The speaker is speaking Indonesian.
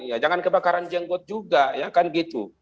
ya jangan kebakaran jenggot juga ya kan gitu